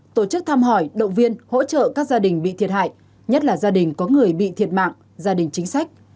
tổ chức thăm hỏi động viên hỗ trợ các gia đình bị thiệt hại nhất là gia đình có người bị thiệt mạng gia đình chính sách